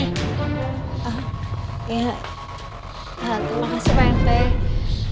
terima kasih pak rt